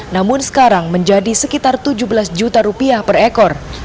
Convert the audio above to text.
namun sekarang menjadi sekitar tujuh belas juta rupiah per ekor